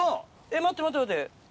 待って、待って、待って。